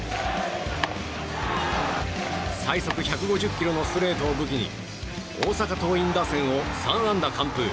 最速１５０キロのストレートを武器に大阪桐蔭打線を３安打完封。